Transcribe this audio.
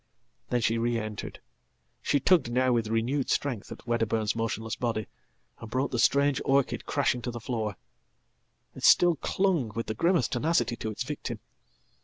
Then she re entered. She tugged now with renewed strength atWedderburn's motionless body, and brought the strange orchid crashing tothe floor. It still clung with the grimmest tenacity to its victim.